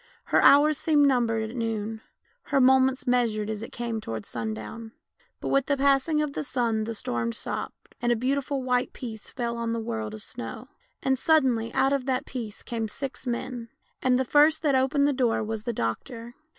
Her hours seemed numbered at noon, her moments measured as it came towards sundown, but with the passing of the sun the storm stopped, and a beautiful white peace fell on the world of snovv^, and suddenly out of that peace came six men ; and the first that opened the door was the doctor.